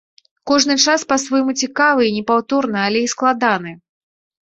Кожны час па-свойму цікавы і непаўторны, але і складаны.